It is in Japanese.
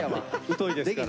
疎いですから。